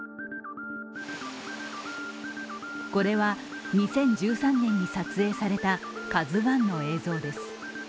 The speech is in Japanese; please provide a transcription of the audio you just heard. これは２０１３年に撮影された「ＫＡＺＵⅠ」の映像です。